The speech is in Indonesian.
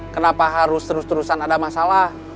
kenapa harus terus terusan ada masalah